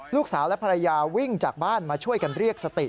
ลูกสาวและภรรยาวิ่งจากบ้านมาช่วยกันเรียกสติ